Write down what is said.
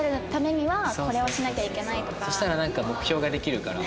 そしたら目標ができるから。